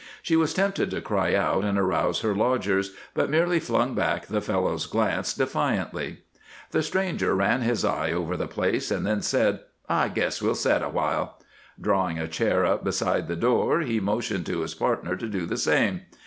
She was tempted to cry out and arouse her lodgers, but merely flung back the fellow's glance defiantly. The stranger ran his eye over the place and then said, "I guess we'll set awhile." Drawing a chair up beside the door, he motioned to his partner to do the same.